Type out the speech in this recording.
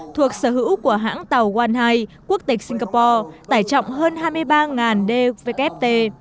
thuộc sở hữu của hãng tàu one high quốc tịch singapore tải trọng hơn hai mươi ba đvft